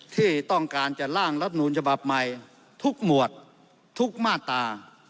ที่ต้องการจะล่างรัฐนูลฉบับใหม่ทุกหมวดทุกมาตรา